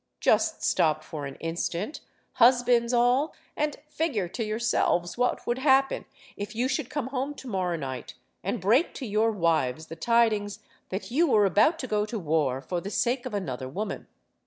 Just stop for an instant, husbands all, and figure to yourselves what "would happen if you should come home to morrow night and break to your wives the tidings that you were about to go to war for the sake of another woman